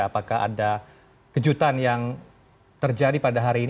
apakah ada kejutan yang terjadi pada hari ini